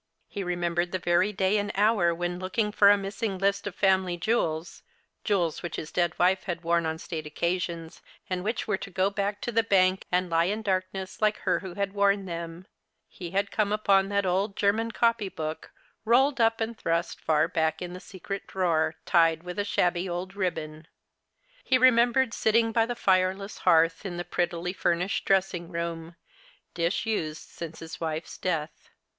He remembered the very day and hour ^\heii looking for a missing list of family jewels — ^jewels which his dead wife had worn on state occasions, and which were to go back to the bank, and to lie in darkness, like her who had worn them — he had come upon that old German copy book, rolled up and thrust far back in the secret drawer, tied with a shabby old ribbon. He remembered sitting by the tireless hearth, in the prettily furnished dressing room, disused since his wife's death.